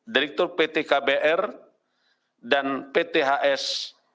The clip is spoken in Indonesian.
direktur pt kbr dan pt hs